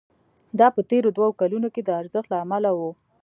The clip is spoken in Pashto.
دا په تېرو دوو کلونو کې د ارزښت له امله وو